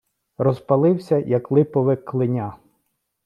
Розпалися, як липове клиня.